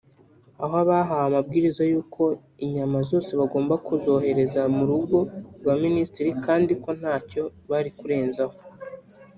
aho bahawe amabwiriza y’uko inyama zose bagomba kuzohereza mu rugo rwa Minisitiri kandi ko ntacyo bari kurenzaho